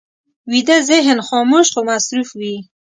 ویده ذهن خاموش خو مصروف وي